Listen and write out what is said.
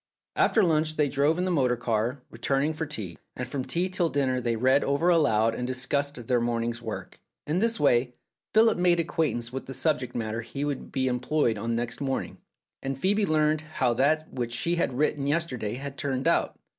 After lunch they drove in the motor car, return ing for tea, and from tea till dinner they read over aloud and discussed their morning's work. In this way Philip made acquaintance with the subject matter he would be employed on next morning, and Phcebe learned how that which she had written yes terday had turned out.